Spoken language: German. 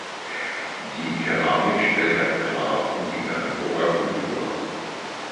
Die Keramik stellt das Grab in die Bernburger Kultur.